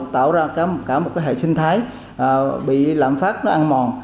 tạo ra cả một hệ sinh thái bị lạm phát ăn mòn